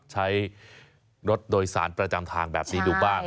ใช้รถโดยสารประจำทางแบบนี้ดูบ้าง